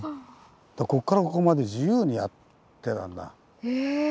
こっからここまで自由にやってたんだ。え！